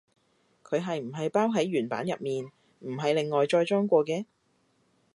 佢係唔係包喺原版入面，唔係另外再裝過嘅？